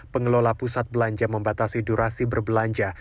pengelola pusat belanja membatasi durasi berbelanja